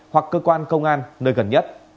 sáu trăm sáu mươi bảy hoặc cơ quan công an nơi gần nhất